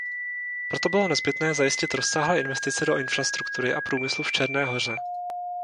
Proto bylo nezbytné zajistit rozsáhlé investice do infrastruktury a průmyslu v Černé Hoře.